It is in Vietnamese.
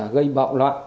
gây bạo loạn